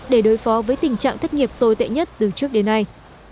để đối phó với tình trạng thất nghiệp tồi tệ nhất từ trước đến nay